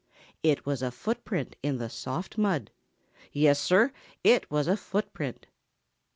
It was a footprint in the soft mud. Yes, Sir, it was a footprint.